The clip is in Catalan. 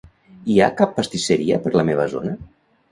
Hi ha cap pastisseria per la meva zona?